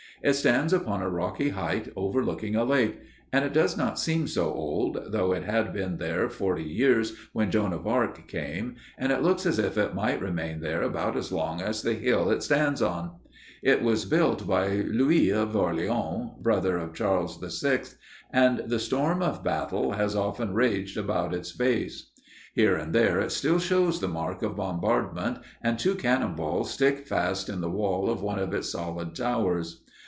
It stands upon a rocky height overlooking a lake, and it does not seem so old, though it had been there forty years when Joan of Arc came, and it looks as if it might remain there about as long as the hill it stands on. It was built by Louis of Orleans, brother of Charles VI, and the storm of battle has often raged about its base. Here and there it still shows the mark of bombardment, and two cannon balls stick fast in the wall of one of its solid towers.